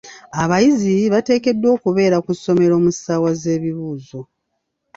Abayizi bateekeddwa okubeera ku ssomero mu ssaawa z'ebibuuzo.